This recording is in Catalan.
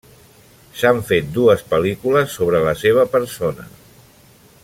S'han fet dues pel·lícules sobre la seva persona.